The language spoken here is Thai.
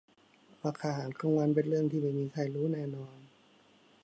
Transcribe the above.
ราคาอาหารกลางวันเป็นเรื่องที่ไม่มีใครรู้แน่นอน